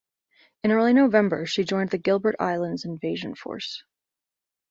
In early November, she joined the Gilbert Islands invasion force.